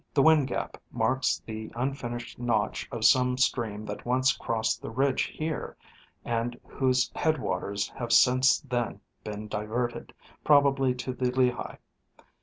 The wind gap marks the unfinished notch of some stream that once crossed the ridge here and whose headwaters have since then been diverted, probably to the Lehigh.